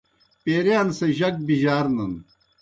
پیرِیان سہ جک بِجارنَن۔